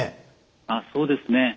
そうですね。